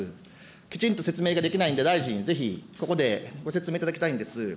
きちんと説明ができないんで、大臣、ぜひ、そこでご説明いただきたいんです。